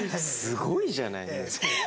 すごいじゃない。